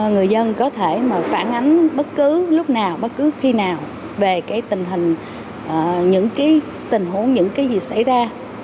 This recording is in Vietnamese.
người dân có thể phản ánh bất cứ lúc nào bất cứ khi nào về cái tình hình những cái tình huống những cái gì xảy ra